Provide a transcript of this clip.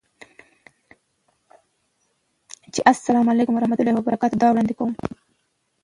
چې اسلام علیکم ورحمة الله وبرکاته ده، وړاندې کوم